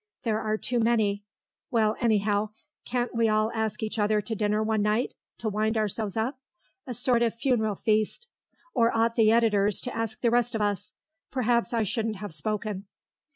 There are too many.... Well, anyhow, can't we all ask each other to dinner one night, to wind ourselves up? A sort of funeral feast. Or ought the editors to ask the rest of us? Perhaps I shouldn't have spoken."